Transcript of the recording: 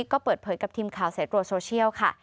ก็เปิดเผยกับทีมข่าวสายตรวจโซเชียลค่ะ